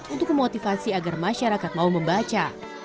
untuk memotivasi agar masyarakat mau membaca